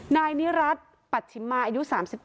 นายนิรัติปัชชิมมาอายุ๓๗